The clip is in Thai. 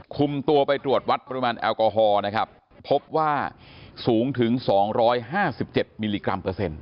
คุมตัวไปตรวจวัตรปริมาณแอลกอฮอล์นะครับพบว่าสูงถึงสองร้อยห้าสิบเจ็ดมิลลิกรัมเปอร์เซ็นต์